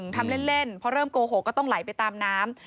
ทำเล่นเพราะเริ่มโกหกก็ต้องไหลไปตามน้ำ